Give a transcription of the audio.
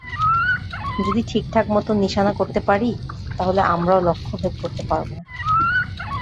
যদি ঠিকঠাক মতো নিশানা করতে পারি, তাহলে আমরাও লক্ষ্যভেদ করতে পারব।